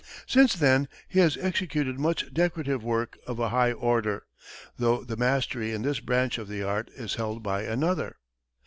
Since then he has executed much decorative work of a high order, though the mastery in this branch of the art is held by another.